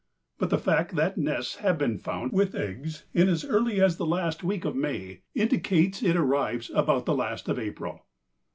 But the fact that nests have been found with eggs in as early as the last week of May indicates it arrives about the last of April.